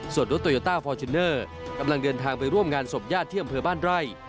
ส่วนรถโตโยต้าฟอร์จูเนอร์กำลังเดินทางไปร่วมงานศพญาติที่อำเภอบ้านไร่